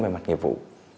về mặt nghiệp vụ